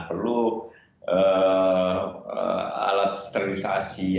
perlu alat sterilisasi